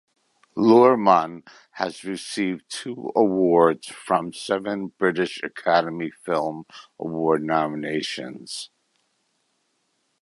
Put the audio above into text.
Luhrmann has received two awards from seven British Academy Film Award nominations.